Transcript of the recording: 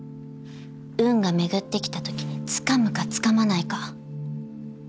運が巡ってきた時につかむかつかまないか。